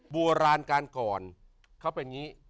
โบราณการก่อนเขาเป็นอย่างนี้